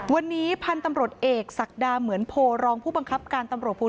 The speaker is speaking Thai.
วันนี้พันธุ์ตำรวจเอกศักดาเหมือนโพรองผู้บังคับการตำรวจภูทร